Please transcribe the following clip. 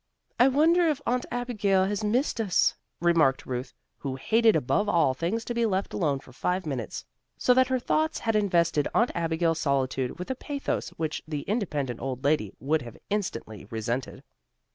"I wonder if Aunt Abigail has missed us?" remarked Ruth, who hated above all things to be left alone for five minutes, so that her thoughts had invested Aunt Abigail's solitude with a pathos which the independent old lady would have instantly resented.